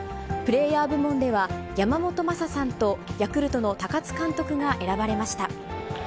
プレーヤー部門では、山本昌さんとヤクルトの高津監督が選ばれました。